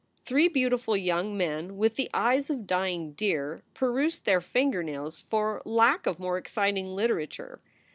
Three beautiful young men with the eyes of dying deer perused their finger nails for lack of more exciting literature.